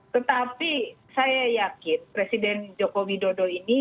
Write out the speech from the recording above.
tetapi saya yakin presiden joko widodo ini